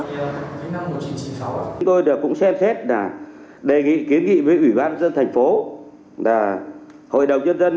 vì năm một nghìn chín trăm chín mươi sáu tôi đã cũng xem xét đề nghị kiến nghị với ủy ban dân thành phố hội đồng dân dân